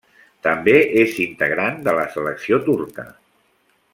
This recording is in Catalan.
També és integrant de la selecció turca.